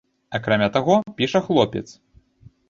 Акрамя таго, піша хлопец.